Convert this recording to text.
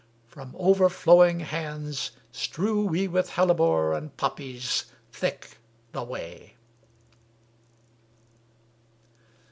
From overflowing hands, Strew we with hellebore and poppies thick The way.